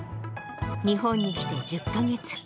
日本に来て１０か月。